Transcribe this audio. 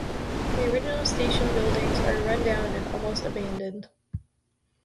The original station buildings are rundown and almost abandoned.